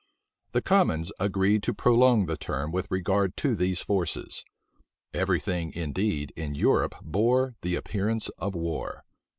The commons agreed to prolong the term with regard to these forces. Every thing, indeed, in Europe bore the appearance of war.